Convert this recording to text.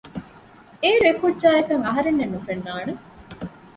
އޭރު އެކުއްޖާއަކަށް އަހަރެންނެއް ނުފެންނާނެ